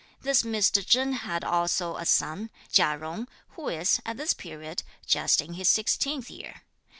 This Mr. Chen had also a son, Chia Jung, who is, at this period, just in his sixteenth year.